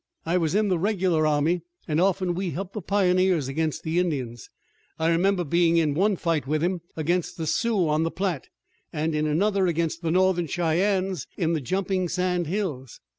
I was in the regular army and often we helped the pioneers against the Indians. I remember being in one fight with him against the Sioux on the Platte, and in another against the Northern Cheyennes in the Jumping Sand Hills."